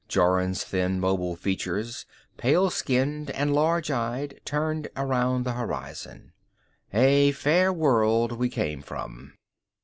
_ Jorun's thin mobile features, pale skinned and large eyed, turned around the horizon. _A fair world we came from.